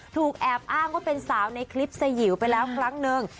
ถูกแอบอ้างว่าเป็นสาวในคลิปสยิวไปแล้วครั้งนึง